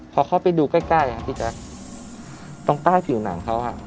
พอเข้าไปดูใกล้ใกล้ครับพี่แจ๊คตรงใต้ผิวหนังเขาอ่ะ